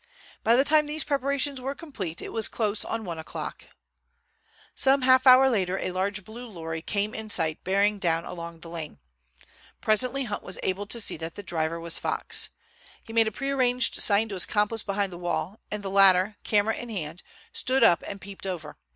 By the time these preparations were complete it was close on one o'clock. Some half hour later a large blue lorry came in sight bearing down along the lane. Presently Hunt was able to see that the driver was Fox. He made a prearranged sign to his accomplice behind the wall, and the latter, camera in hand, stood up and peeped over.